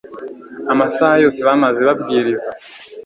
Amasaha yose bamaze babwiriza